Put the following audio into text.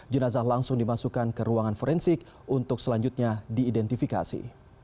jenazah langsung dimasukkan ke ruangan forensik untuk selanjutnya diidentifikasi